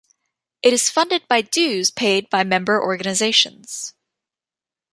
It is funded by dues paid by member organizations.